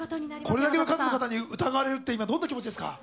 これだけの数の方に疑われるって、今、どんな気持ちですか？